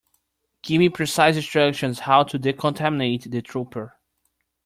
Give me precise instructions how to decontaminate the trooper.